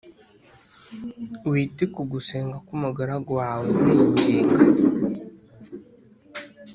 wite ku gusenga k’umugaragu wawe nkwinginga